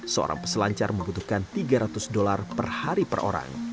seorang peselancar membutuhkan tiga ratus dolar per hari per orang